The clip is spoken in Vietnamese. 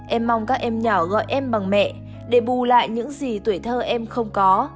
em mong các em nhỏ gọi em bằng mẹ để bù lại những gì tuổi thơ em không có